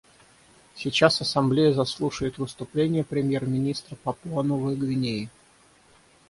Сейчас Ассамблея заслушает выступление премьер-министра Папуа-Новой Гвинеи.